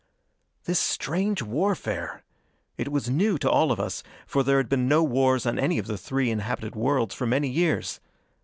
This strange warfare! It was new to all of us, for there had been no wars on any of the three inhabited worlds for many years.